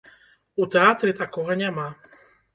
У тэатры такога няма.